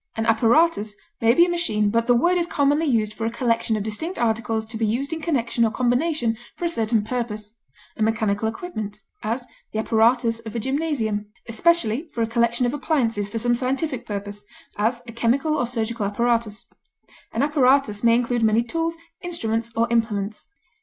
An apparatus may be a machine, but the word is commonly used for a collection of distinct articles to be used in connection or combination for a certain purpose a mechanical equipment; as, the apparatus of a gymnasium; especially, for a collection of appliances for some scientific purpose; as, a chemical or surgical apparatus; an apparatus may include many tools, instruments, or implements.